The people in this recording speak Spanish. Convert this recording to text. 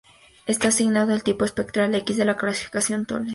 Está asignado al tipo espectral X de la clasificación Tholen.